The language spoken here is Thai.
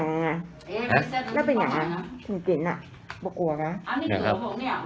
นี่ครับ